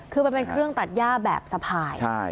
คือมันเป็นเครื่องตัดย่าแบบสะพาย